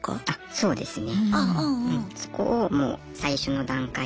そうですね。